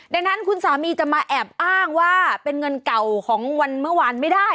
ดังนั้นคุณสามีจะมาแอบอ้างว่าเป็นเงินเก่าของวันเมื่อวานไม่ได้